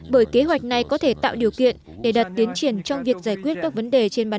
bởi kế hoạch này có thể tạo điều kiện để đạt tiến triển trong việc giải quyết các vấn đề trên bản